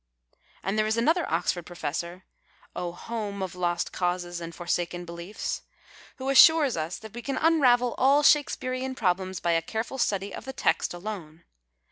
And there is another Oxford i)rofcssor (oh, home of lost causes and forsaken beliefs !) who assures us that we can unravel all Shakespearian problems by a careful study of the text alone.